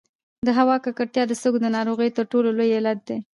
د هوا ککړتیا د سږو د ناروغیو تر ټولو لوی علت دی.